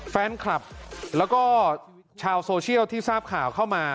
แฟนคลับแล้วก็ชาวโซเชียลที่ทราบข่าวเข้ามา